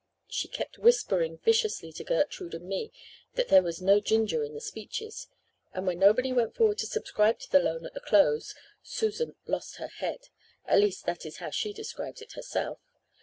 She kept whispering viciously to Gertrude and me that there was 'no ginger' in the speeches; and when nobody went forward to subscribe to the loan at the close Susan 'lost her head.' At least, that is how she describes it herself.